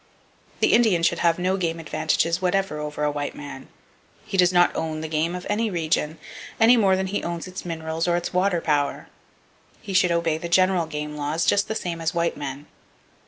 The Indian should have no game advantages whatever over a white man. He does not own the game of a region, any more than he owns its minerals or its water power. He should obey the general game laws, just the same as white men.